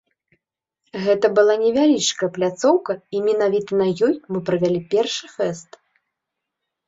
Гэта была невялічкая пляцоўка і менавіта на ёй мы правялі першы фэст.